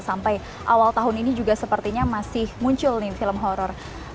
sampai awal tahun ini juga sepertinya masih muncul nih film horror